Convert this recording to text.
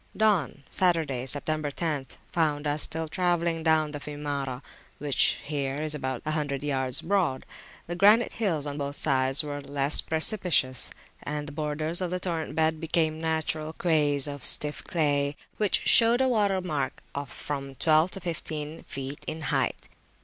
Dawn (Saturday, Sept. 10th) found us still travelling down the Fiumara, which here is about a hundred yards broad. The granite hills on both sides were less precipitous; and the borders of the torrent bed became natural quays of stiff clay, which showed a water mark of from twelve to fifteen feet in height.